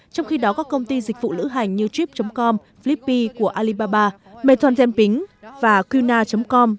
trong khi đó các công ty dịch vụ lữ hành như trip com flippy của alibaba mekong zenping và qna com